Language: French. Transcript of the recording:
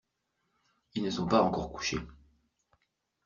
Ils ne sont pas encore couchés.